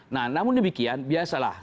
nah namun demikian biasalah